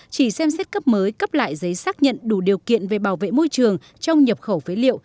chỉ xem xét cấp mới cấp lại giấy xác nhận đủ điều kiện về bảo vệ môi trường trong nhập khẩu phế liệu